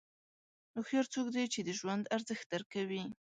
هوښیار څوک دی چې د ژوند ارزښت درک کوي.